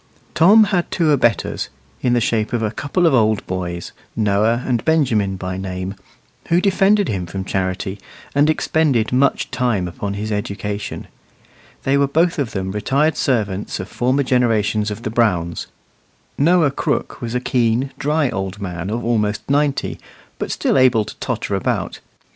Tom had two abettors, in the shape of a couple of old boys, Noah and Benjamin by name, who defended him from Charity, and expended much time upon his education. They were both of them retired servants of former generations of the Browns. Noah Crooke was a keen, dry old man of almost ninety, but still able to totter about.